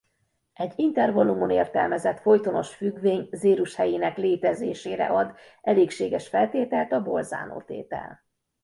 Egy intervallumon értelmezett folytonos függvény zérushelyének létezésére ad elégséges feltételt a Bolzano-tétel.